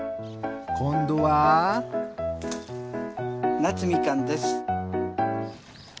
こんどは？なつみかんです。